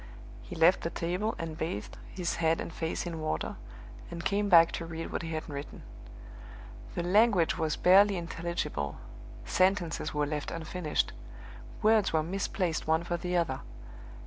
He left the table, and bathed his head and face in water, and came back to read what he had written. The language was barely intelligible; sentences were left unfinished; words were misplaced one for the other.